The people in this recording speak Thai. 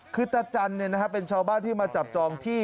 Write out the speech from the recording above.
คือตัจันเนี่ยนะฮะเป็นชาวบ้านที่มาจับจองที่